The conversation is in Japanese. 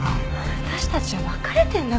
私たちは別れてるんだから。